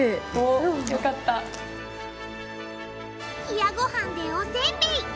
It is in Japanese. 冷やごはんでおせんべい！